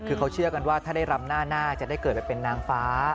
คือเขาเชื่อกันว่าถ้าได้รำหน้าหน้าจะได้เกิดไปเป็นนางฟ้า